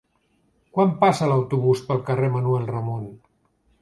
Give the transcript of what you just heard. Quan passa l'autobús pel carrer Manuel Ramon?